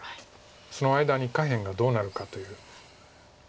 その間に下辺がどうなるかという。